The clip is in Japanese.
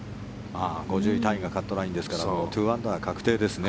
５１位タイがカットラインですから２アンダー確定ですね。